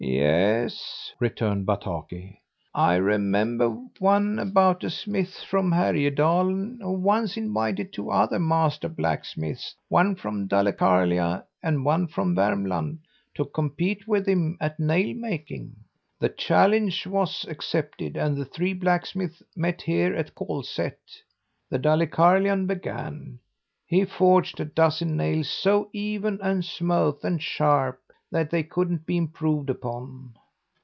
"Yes," returned Bataki, "I remember one about a smith from Härjedalen who once invited two other master blacksmiths one from Dalecarlia and one from Vermland to compete with him at nail making. The challenge was accepted and the three blacksmiths met here at Kolsätt. The Dalecarlian began. He forged a dozen nails, so even and smooth and sharp that they couldn't be improved upon.